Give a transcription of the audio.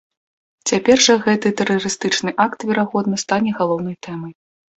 Цяпер жа гэты тэрарыстычны акт, верагодна, стане галоўнай тэмай.